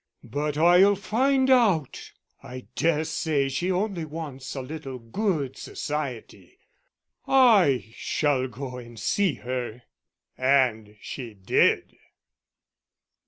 "But I'll find out. I dare say she only wants a little good society. I shall go and see her." And she did!